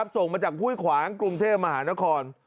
ส่งมาจากห้วยขวางกรุงเทพมหานคร